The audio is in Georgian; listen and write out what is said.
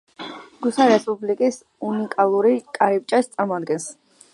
გუსარი რესპუბლიკის უნიკალურ კარიბჭეს წარმოადგენს.